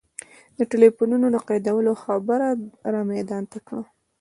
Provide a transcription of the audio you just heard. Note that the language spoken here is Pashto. د ټلفونونو د قیدولو خبره را میدان ته کړه.